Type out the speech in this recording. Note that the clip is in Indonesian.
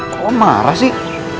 kalo marah sih